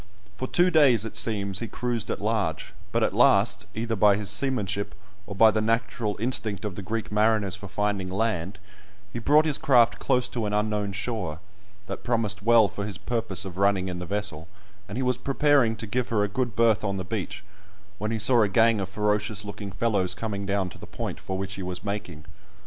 For two days, it seems, he cruised at large, but at last, either by his seamanship, or by the natural instinct of the Greek mariners for finding land, he brought his craft close to an unknown shore, that promised well for his purpose of running in the vessel; and he was preparing to give her a good berth on the beach, when he saw a gang of ferocious looking fellows coming down to the point for which he was making.